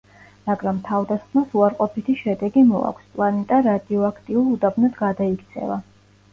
მაგრამ თავდასხმას უარყოფითი შედეგი მოაქვს: პლანეტა რადიოაქტიურ უდაბნოდ გადაიქცევა.